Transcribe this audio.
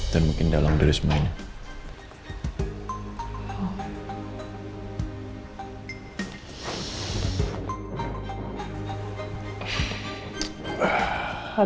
dan mungkin dalam dari semuanya